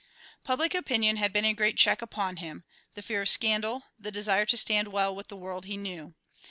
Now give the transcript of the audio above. Public opinion had been a great check upon him, the fear of scandal, the desire to stand well with the world he knew.